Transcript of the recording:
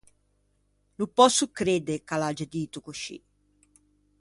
No pòsso credde ch’a l’agge dito coscì.